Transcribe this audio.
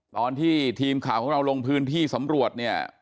ตอนที่ทีมข่าวของเราลงพื้นที่สำรวจเนี่ย